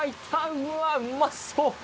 うわうまそう！